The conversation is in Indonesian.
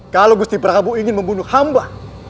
kalau gusti prabowo ingin membunuh hamba